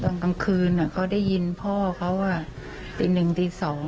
ตอนกลางคืนเขาได้ยินพ่อเขาว่าตีหนึ่งตีสอง